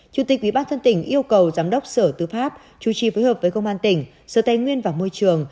chủ tịch ủy ban dân tỉnh yêu cầu giám đốc sở tư pháp chủ trì phối hợp với công an tỉnh sở tài nguyên và môi trường